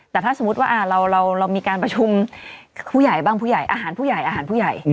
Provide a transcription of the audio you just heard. แต่ถ้าสมมุติว่าเรามีการประชุมผู้ใหญ่บ้างผู้ใหญ่อาหารผู้ใหญ่อาหารผู้ใหญ่